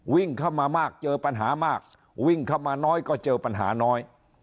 หากเจอปัญหามากวิ่งเข้ามาน้อยก็เจอปัญหาน้อย